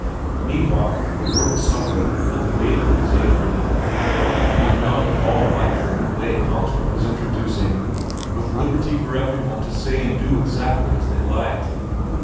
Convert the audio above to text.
Meanwhile the work suffered, and the bailiff was angry. He did not at all like the new way Kongstrup was introducing—with liberty for every one to say and do exactly as they liked.